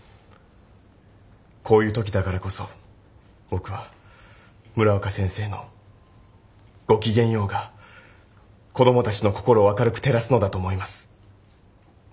こういう時だからこそ僕は村岡先生の「ごきげんよう」が子どもたちの心を明るく照らすのだと思います。